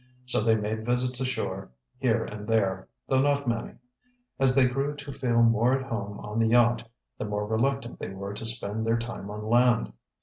So they made visits ashore here and there, though not many. As they grew to feel more at home on the yacht, the more reluctant they were to spend their time on land.